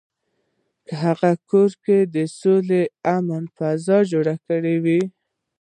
هغه په کور کې د سولې او مینې فضا جوړه کړې وه.